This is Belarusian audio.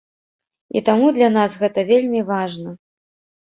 І таму для нас гэта вельмі важна.